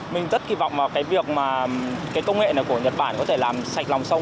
mình rất kỳ vọng vào cái việc mà cái công nghệ này của nhật bản có thể làm sạch lòng sông